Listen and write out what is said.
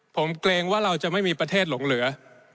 ผมเกรงว่าเราจะไม่มีประเทศหลงเหลือ